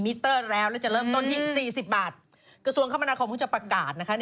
เมื่อกี้กินมาของฉันอยู่ไหน